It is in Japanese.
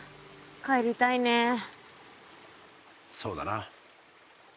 そうだな。